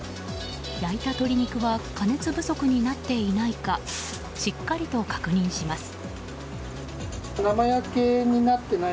焼いた鶏肉は加熱不足になっていないかしっかりと確認します。